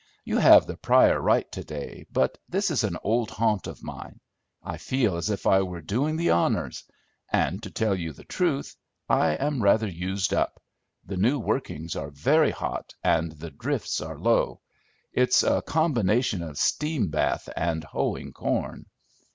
"You have the prior right to day, but this is an old haunt of mine. I feel as if I were doing the honors; and to tell you the truth, I am rather used up. The new workings are very hot and the drifts are low. It's a combination of steam bath and hoeing corn."